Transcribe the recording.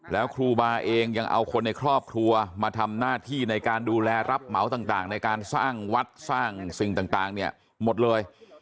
แล้วครูบาเองยังเอาคนในครอบครัวมาทำหน้าที่ในการดูแลรับเหมาต่างในการสร้างวัดสร้างสิ่งต่างเนี่ยหมดเลย